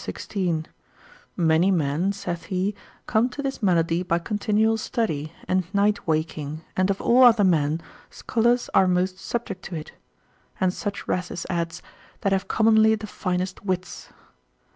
Many men (saith he) come to this malady by continual study, and night waking, and of all other men, scholars are most subject to it: and such Rhasis adds, that have commonly the finest wits.